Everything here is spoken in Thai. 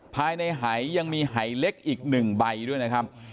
ภายในหายยังมีหายเล็กอีก๑ใบด้วยนะครับ